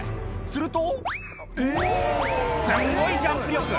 するとすんごいジャンプ力！